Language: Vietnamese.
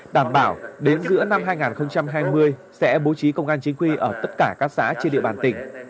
đảm bảo đến giữa năm hai nghìn hai mươi sẽ bố trí công an chính quy ở tất cả các xã trên địa bàn tỉnh